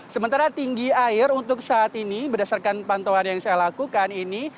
sementara tinggi air untuk saat ini berdasarkan pantauan yang saya lakukan ini